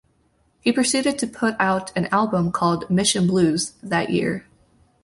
He proceeded to put out an album called "Mission Blues" that year.